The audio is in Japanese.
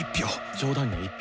冗談に１票。